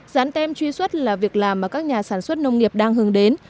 dán tem truy xuất là việc làm mà các nhà sản xuất nông nghiệp đang hướng đến